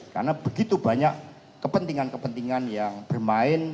karena begitu banyak kepentingan kepentingan yang bermain